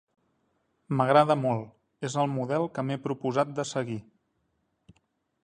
M'agrada molt: és el model que m'he proposat de seguir.